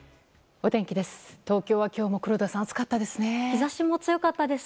お天気です。